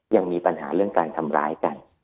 ยังมีปัญหาเรื่องการทำร้ายกัน